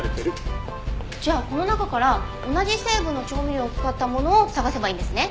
じゃあこの中から同じ成分の調味料を使ったものを探せばいいんですね。